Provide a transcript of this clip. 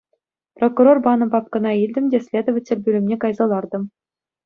Прокурор панӑ папкӑна илтӗм те следователь пӳлӗмне кайса лартӑм.